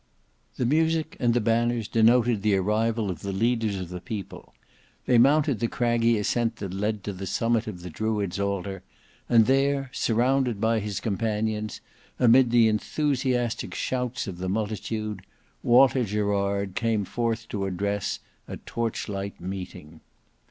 The music and the banners denoted the arrival of the leaders of the people. They mounted the craggy ascent that led to the summit of the Druid's Altar, and there, surrounded by his companions, amid the enthusiastic shouts of the multitude, Walter Gerard came forth to address a TORCH LIGHT MEETING.